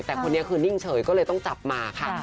แต่คนนี้คือนิ่งเฉยก็เลยต้องจับมาค่ะ